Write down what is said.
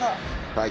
はい。